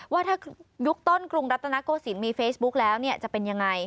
ว่าถ้ายุคต้นกรุงรัตนโกศิลปมีเฟซบุ๊กแล้วจะเป็นยังไง